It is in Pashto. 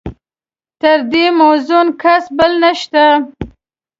تر ده موزون کس بل نشته.